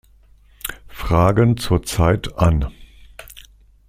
Fragen zur Zeit" an.